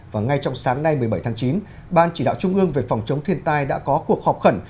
và ngay trong sáng nay một mươi bảy tháng chín ban chỉ đạo trung ương về phòng chống thiên tai đã có cuộc họp khẩn